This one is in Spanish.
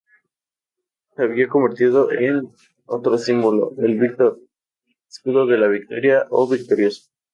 Se había convertido en otro símbolo: el Víctor, Escudo de la Victoria o Victorioso.